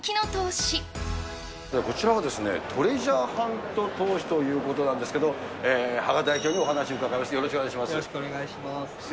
こちらは、トレジャーハント投資ということなんですけれども、芳賀代表にお話を伺います。